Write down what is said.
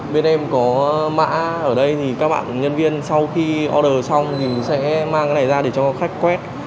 bên em có mạng ở đây các bạn nhân viên sau khi order xong sẽ mang ra để cho khách quét